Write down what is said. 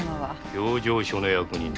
評定所の役人だ。